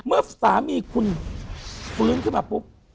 เมื่อสามีคุณฟื้นขึ้นมาปุ๊บ